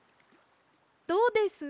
どうです？